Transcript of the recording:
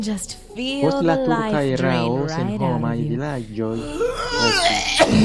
Post la turka erao senhomaj vilaĝoj restis.